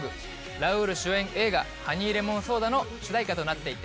ラウール主演映画『ハニーレモンソーダ』の主題歌となっていて